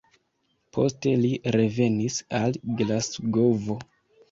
Poste li revenis al Glasgovo.